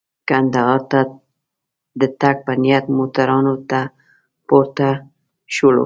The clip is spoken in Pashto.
کندهار ته د تګ په نیت موټرانو ته پورته شولو.